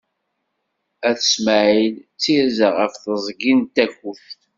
At Smaεel, Ttirza ɣer teẓgi n Takkuct.